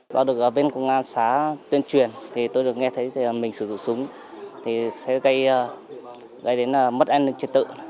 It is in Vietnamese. do được bên công an xá tuyên truyền tôi được nghe thấy mình sử dụng súng sẽ gây đến mất an ninh trật tự